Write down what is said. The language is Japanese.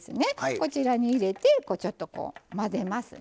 こちらに入れてちょっとこう混ぜますね。